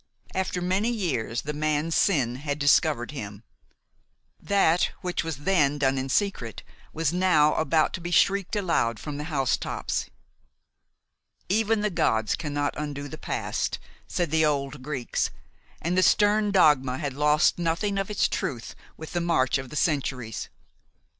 After many years the man's sin had discovered him. That which was then done in secret was now about to be shrieked aloud from the housetops. "Even the gods cannot undo the past," said the old Greeks, and the stern dogma had lost nothing of its truth with the march of the centuries.